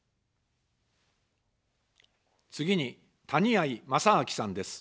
次に、谷あい正明さんです。